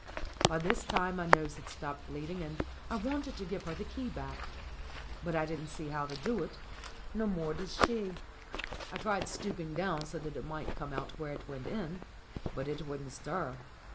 By this time my nose had stopped bleeding, and I wanted to give her the key back. But I didn't see how to do it ; no more did she. I tried stooping down so that it might come out where it went in, but it wouldn't stir.